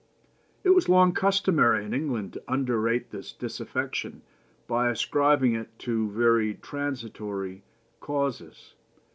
"It was long customary in England to underrate this disaffection by ascribing it to very transitory causes.